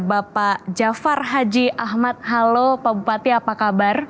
bapak jafar haji ahmad halo pak bupati apa kabar